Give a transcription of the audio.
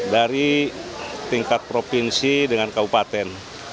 dari tingkat provinsi dengan kabupaten